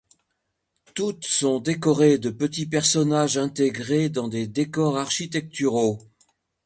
Toutes sont décorées de petits personnages intégrés dans des décors architecturaux.